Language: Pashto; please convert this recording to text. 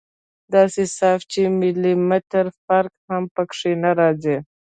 داسې صاف چې ملي مټر فرق هم پکښې نه رځي.